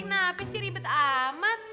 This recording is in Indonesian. kenapa sih ribet amat